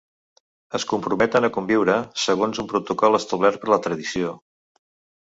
Es comprometen a conviure segons un protocol establert per la tradició.